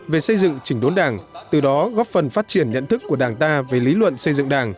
về xây dựng chỉnh đốn đảng từ đó góp phần phát triển nhận thức của đảng ta về lý luận xây dựng đảng